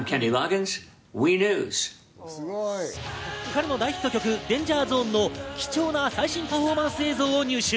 彼の大ヒット曲『ＤａｎｇｅｒＺｏｎｅ』の貴重な最新パフォーマンス映像を入手。